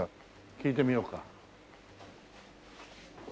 聞いてみようか。